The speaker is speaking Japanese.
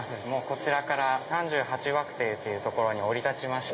こちらから３８惑星っていう所に降り立ちまして。